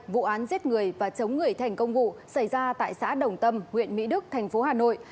vụ án giết người và chống người thành công vụ xảy ra tại xã đồng tâm huyện mỹ đức thành phố hà nội